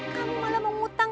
kamu malah mau ngutang